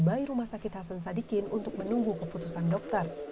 bayi rumah sakit hasan sadikin untuk menunggu keputusan dokter